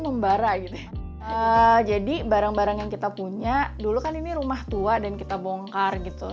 membara gitu ya jadi barang barang yang kita punya dulu kan ini rumah tua dan kita bongkar gitu